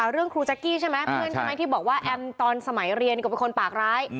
เรื่องครูจั๊กกี้ใช่มั้ยที่บอกว่าแอมตอนสมัยเรียนก็เป็นคนปากร้าย